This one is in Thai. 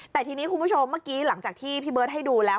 แต่ทีนี้คุณผู้ชมเมื่อกี้หลังจากที่พี่เบิร์ตให้ดูแล้ว